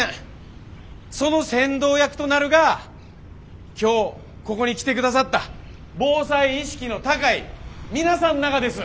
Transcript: その先導役となるが今日ここに来てくださった防災意識の高い皆さんながです。